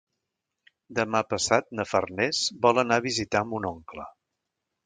Demà passat na Farners vol anar a visitar mon oncle.